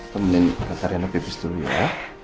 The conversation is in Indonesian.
temenin bakat ariana pipis dulu ya